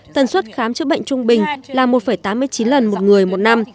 tần suất khám chữa bệnh trung bình là một tám mươi chín lần một người một năm